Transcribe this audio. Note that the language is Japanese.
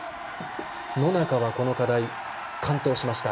野中は、この課題完登しました。